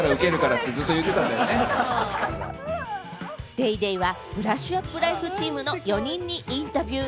『ＤａｙＤａｙ．』は、『ブラッシュアップライフ』チームの４人にインタビュー。